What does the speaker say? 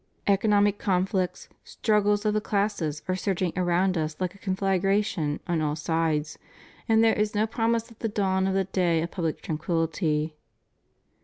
Economic conflicts, struggles of the classes are surging around us like a conflagration on all sides, and there is no promise of the dawn of the day of public tranquillity.